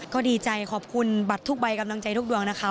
ก็ดีใจขอบคุณบัตรทุกใบกำลังใจทุกดวงนะคะ